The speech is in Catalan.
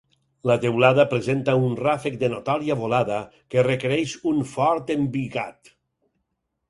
La teulada presenta un ràfec de notòria volada que requereix un fort embigat.